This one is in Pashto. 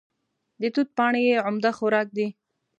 د توت پاڼې یې عمده خوراک دی.